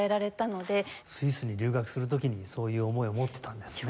スイスに留学する時にそういう思いを持ってたんですね。